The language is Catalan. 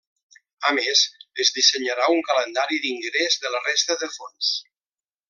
A més, es dissenyarà un calendari d’ingrés de la resta de fons.